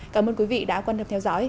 cảm ơn quý vị đã quan tâm theo dõi